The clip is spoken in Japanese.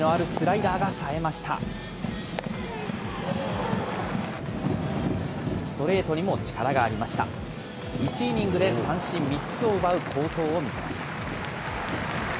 １イニングで三振３つを奪う好投を見せました。